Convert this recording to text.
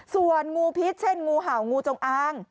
ส่วนงูพิษเช่นงูเห่างูจงอาง